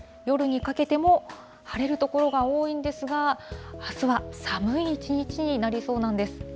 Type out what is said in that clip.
夜にかけても晴れる所が多いんですが、あすは寒い一日になりそうなんです。